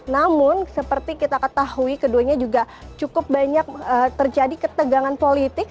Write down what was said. namun seperti kita ketahui keduanya juga cukup banyak terjadi ketegangan politik